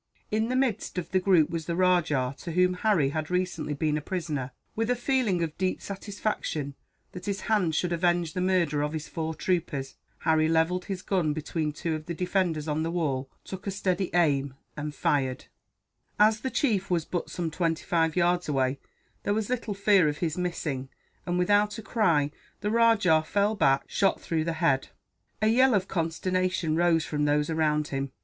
In the midst of the group was the rajah to whom Harry had recently been a prisoner. With a feeling of deep satisfaction, that his hand should avenge the murder of his four troopers, Harry levelled his gun between two of the defenders of the wall, took a steady aim, and fired. [Illustration: Without a cry, the rajah fell back, shot through the] head. As the chief was but some twenty five yards away, there was little fear of his missing and, without a cry, the rajah fell back, shot through the head. A yell of consternation rose from those around him.